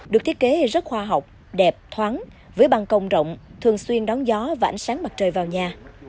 được thiết kế rất khoa học đẹp thoáng với băng công rộng thường xuyên đón gió và ánh sáng mặt trời vào nhà